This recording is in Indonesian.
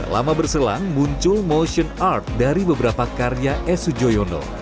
lama berselang muncul motion art dari beberapa karya e sujoyono